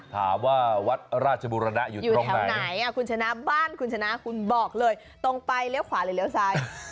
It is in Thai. ถามว่าวัดราชบุรณะอยู่แถวไหนคุณชนะบ้านคุณชนะคุณบอกเลยตรงไปเลี้ยวขวาหรือเลี้ยวซ้าย